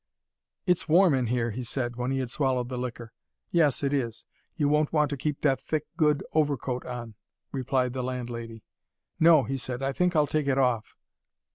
"It's warm in here," he said, when he had swallowed the liquor. "Yes, it is. You won't want to keep that thick good overcoat on," replied the landlady. "No," he said, "I think I'll take it off."